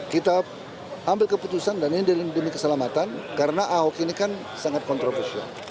kita ambil keputusan dan ini demi keselamatan karena ahok ini kan sangat kontroversial